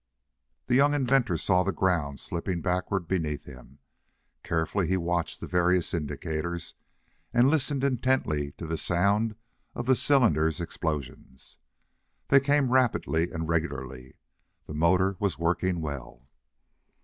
The young inventor saw the ground slipping backward beneath him. Carefully he watched the various indicators, and listened intently to the sound of the cylinders' explosions. They came rapidly and regularly. The motor was working well.